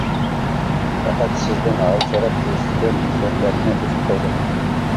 پەقەت سىزدىن ھال سوراپ كېلىش ئۈچۈن سۆھبەتنى ئۈزۈپ قويدۇق.